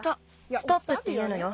「ストップ」っていうのよ。